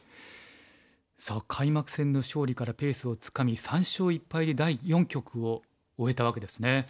さあ開幕戦の勝利からペースをつかみ３勝１敗で第四局を終えたわけですね。